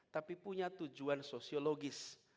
tapi punya tujuan sosiologis